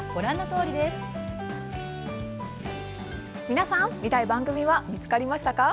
皆さん見たい番組は見つかりましたか？